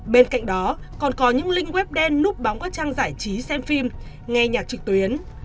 bên cạnh đó còn có những link web đen núp bóng các trang giải trí xem phim nghe nhạc trực tuyến